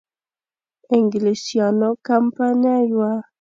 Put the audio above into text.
انګلیسیانو کمپنی وه.